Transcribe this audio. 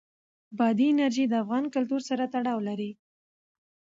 بادي انرژي د افغان کلتور سره تړاو لري.